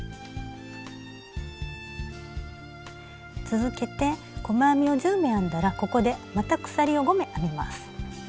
続けて細編みを１０目編んだらここでまた鎖を５目編みます。